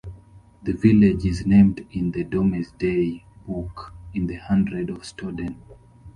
The village is named in the Domesday Book in the hundred of Stodden.